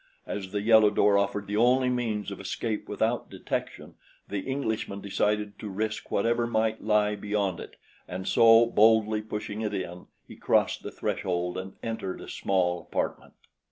As the yellow door offered the only means of escape without detection, the Englishman decided to risk whatever might lie beyond it, and so, boldly pushing it in, he crossed the threshold and entered a small apartment.